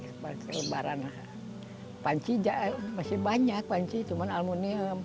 lebaran panci masih banyak panci cuman aluminium